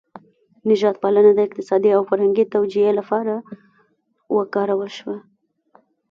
نژاد پالنه د اقتصادي او فرهنګي توجیه لپاره وکارول شوه.